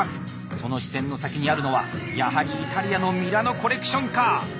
その視線の先にあるのはやはりイタリアのミラノ・コレクションか！